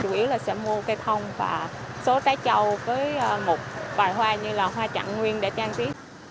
thế là sẽ mua cây thông và số trái trâu với một vài hoa như là hoa chặn nguyên để tranh trí